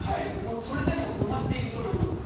それでも埋まっていくと思います